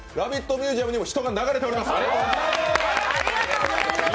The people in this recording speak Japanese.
ミュージアムにも人が流れております！